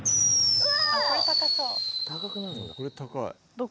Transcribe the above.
うわ！